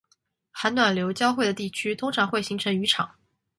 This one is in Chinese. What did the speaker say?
寒暖流交汇的地区通常会形成渔场